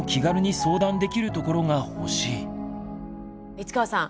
市川さん